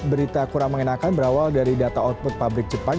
berita kurang mengenakan berawal dari data output pabrik jepang